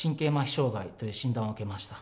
障害という診断を受けました。